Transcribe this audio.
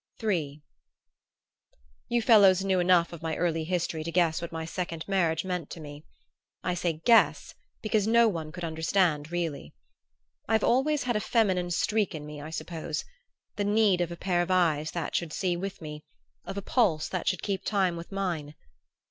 III "You fellows knew enough of my early history to A guess what my second marriage meant to me. I say guess, because no one could understand really. I've always had a feminine streak in me, I suppose: the need of a pair of eyes that should see with me, of a pulse that should keep time with mine.